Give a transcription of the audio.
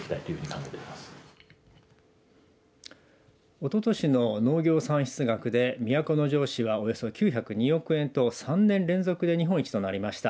おととしの農業産出額で都城市はおよそ９０２億円と３年連続で日本一となりました。